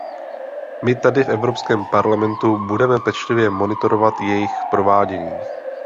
My tady v Evropském parlamentu budeme pečlivě monitorovat jejich provádění.